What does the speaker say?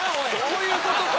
そういうことか！